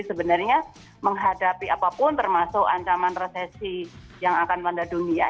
sebenarnya menghadapi apapun termasuk ancaman resesi yang akan melanda dunia